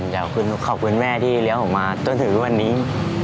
อยากขอขอบคุณแม่ที่เลี้ยวผมมาตั้งแต่วันนี้